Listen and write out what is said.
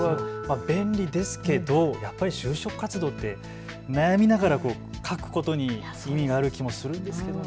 便利ですけどやっぱり就職活動って悩みながら書くことに意味がある気もするんですけどね。